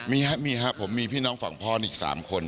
มีครับมีครับผมมีพี่น้องฝั่งพ่ออีก๓คน